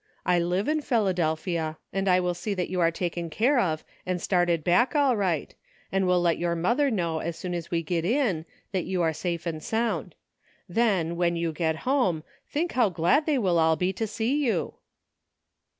I live in Philadelphia, and I 74 A NEW FRIEND. will see that you are taken care of and started back all right, and will let your mother know as soon as we get in that you are safe and sound. Then, when you get home, think how glad they will all be to see you